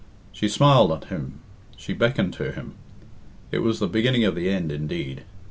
She smiled on him, she beckoned to him. It was the beginning of the end indeed.